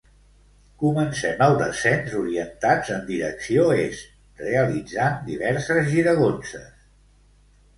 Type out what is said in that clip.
Comencem el descens orientats en direcció est, realitzant diverses giragonses.